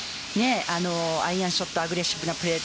アイアンショットアグレッシブなプレー。